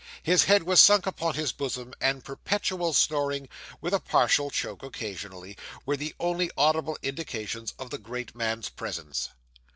His head was sunk upon his bosom, and perpetual snoring, with a partial choke occasionally, were the only audible indications of the great man's presence.